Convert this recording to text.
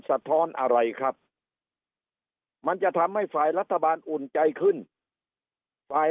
สะท้อนอะไรครับมันจะทำให้ฝ่ายรัฐบาลอุ่นใจขึ้นฝ่าย